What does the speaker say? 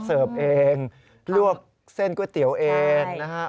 เสิร์ฟเองลวกเส้นก๋วยเตี๋ยวเองนะฮะ